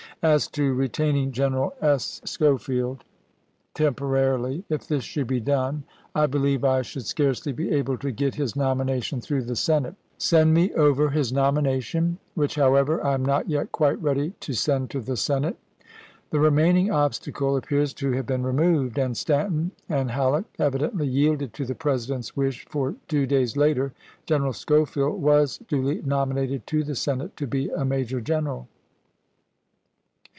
As to retaining G eneral S. [Schofield] temporarily, if this should be done, I 474 ABKAHAM LINCOLN W. R. Vol. XXII Part II., p. 745. CHAP. XX. believe I should scarcely be able to get his nomina tion through the Senate. Send me over his nomi nation ; which, however, I am not yet quite ready to send to the Senate." The remaining obstacle appears to have been removed, and Stanton and Halleck evidently yielded to the President's wish, for two days later General Schofield was duly nominated to the Senate to be a major general.